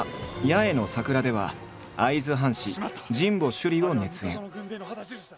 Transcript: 「八重の桜」では会津藩士神保修理を熱演。